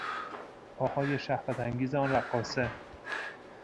پاهای شهوتانگیز آن رقاصه